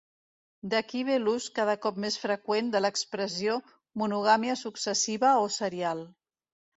D'aquí ve l'ús cada cop més freqüent de l'expressió monogàmia successiva o serial.